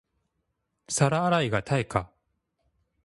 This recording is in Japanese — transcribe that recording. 皿洗いが対価